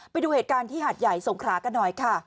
ไปดูเหตุการณ์ที่หาดใหญ่สงขรากันหน่อยค่ะ